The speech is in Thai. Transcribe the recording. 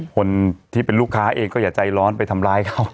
คนที่เป็นลูกค้าเองก็อย่าใจร้อนไปทำร้ายเขา